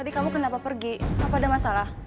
tadi kamu kenapa pergi apa ada masalah